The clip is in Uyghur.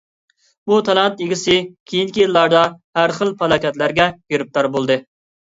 بۇ تالانت ئىگىسى كېيىنكى يىللاردا ھەر خىل پالاكەتلەرگە گىرىپتار بولدى.